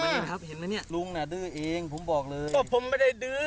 นี่ครับเห็นไหมเนี่ยลุงน่ะดื้อเองผมบอกเลยว่าผมไม่ได้ดื้อ